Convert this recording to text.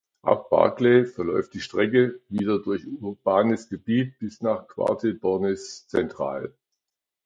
Ab Barkly verläuft die Strecke wieder durch urbanes Gebiet bis nach Quatre Bornes Central.